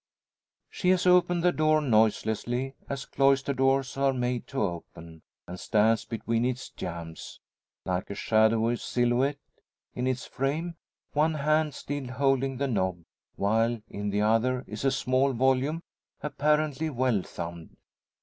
She has opened the door noiselessly as cloister doors are made to open and stands between its jambs, like a shadowy silhouette in its frame, one hand still holding the knob, while in the other is a small volume, apparently well thumbed.